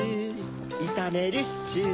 いためるっシュ。